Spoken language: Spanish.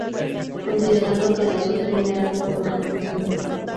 Considerando que las dos primera forman un grupo.